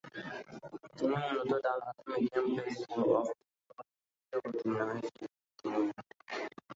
তিনি মূলতঃ ডানহাতি মিডিয়াম-পেস ও অফ-স্পিন বোলারের ভূমিকায় অবতীর্ণ হয়েছিলেন তিনি।